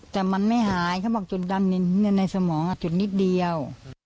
แต่มันไม่หายเขาบอกจุดดันในสมองจุดนิดเดียว